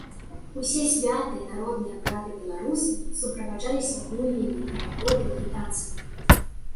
Усе святы і народныя абрады беларусаў суправаджаліся гульнямі, карагодамі і танцамі.